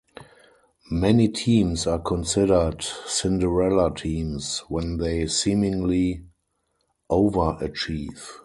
Many teams are considered "Cinderella teams" when they seemingly overachieve.